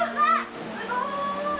すごい！